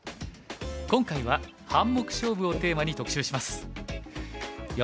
今回は「半目勝負」をテーマに特集します。